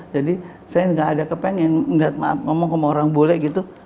jadi saya gak ada kepengen ngomong sama orang bule gitu